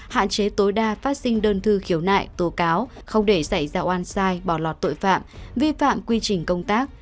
hạn chế tối đa phát sinh đơn thư khiếu nại tố cáo không để dạy dạo an sai bỏ lọt tội phạm vi phạm quy trình công tác